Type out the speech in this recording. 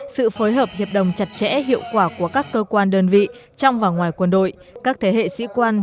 sự phối hợp hiệp đồng chặt chẽ hiệu quả của các cơ quan đơn vị trong và ngoài quân đội các thế hệ sĩ quan